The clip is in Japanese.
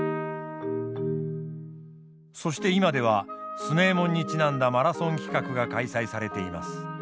そして今では強右衛門にちなんだマラソン企画が開催されています。